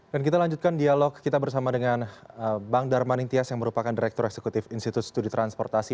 dan kita lanjutkan dialog kita bersama dengan bang dharma nintias yang merupakan direktur eksekutif institut studi transportasi